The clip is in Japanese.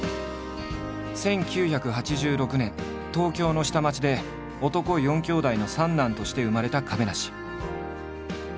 １９８６年東京の下町で男４兄弟の３男として生まれた亀梨。